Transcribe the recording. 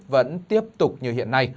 vẫn tiếp tục như hiện nay